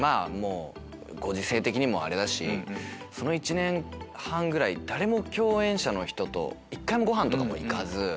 ご時世的にもあれだしその１年半ぐらい誰も共演者と一回もごはんとかも行かず。